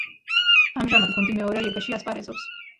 ამჟამად გუნდი მეორე ლიგაში ასპარეზობს.